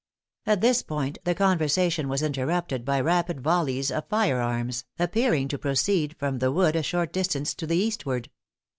At this point the conversation was interrupted by rapid volleys of fire arms, appearing to proceed from the wood a short distance to the eastward.